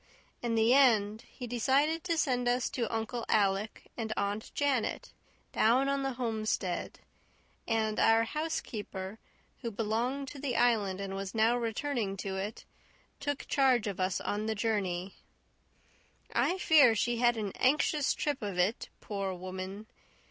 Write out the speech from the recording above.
In the end he decided to send us to Uncle Alec and Aunt Janet down on the homestead; and our housekeeper, who belonged to the Island and was now returning to it, took charge of us on the journey. I fear she had an anxious trip of it, poor woman!